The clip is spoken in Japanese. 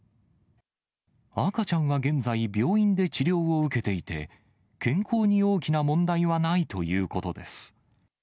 赤ちゃんは現在、病院で治療を受けていて、健康に大きな問題はないということです。